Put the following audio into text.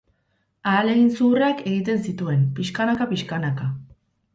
Ahalegin zuhurrak egiten zituen, pixkanaka-pixkanaka.